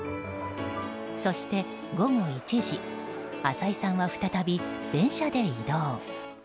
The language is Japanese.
そして午後１時浅井さんは再び電車で移動。